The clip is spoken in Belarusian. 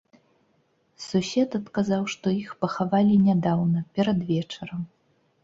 Сусед адказаў, што іх пахавалі нядаўна, перад вечарам.